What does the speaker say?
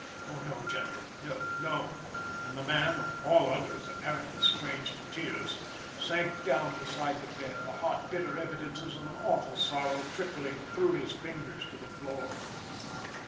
"O, no, general; no, no;" and the man, of all others, apparently strange to tears, sank down beside the bed, the hot, bitter evidences of an awful sorrow trickling through his fingers to the floor.